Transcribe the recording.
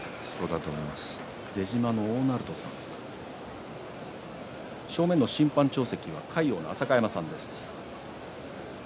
出島の大鳴戸さん正面の審判長席は魁皇の浅香山さんです。